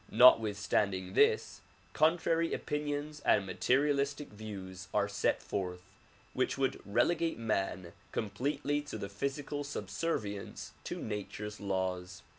Notwithstanding this, contrary opinions and materialistic views are set forth which would relegate man completely to physical subservience to nature's laws.